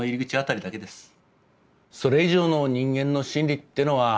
それ以上の人間の心理ってのは